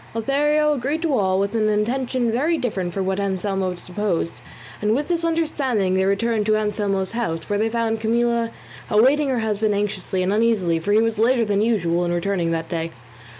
Lothario agreed to all with an intention very different from what Anselmo supposed, and with this understanding they returned to Anselmo's house, where they found Camilla awaiting her husband anxiously and uneasily, for he was later than usual in returning that day.